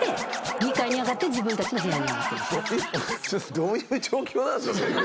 どういう状況なんすかそれ。